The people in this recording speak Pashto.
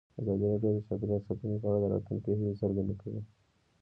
ازادي راډیو د چاپیریال ساتنه په اړه د راتلونکي هیلې څرګندې کړې.